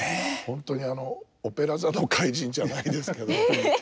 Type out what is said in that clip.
本当にあの「オペラ座の怪人」じゃないですけど。え。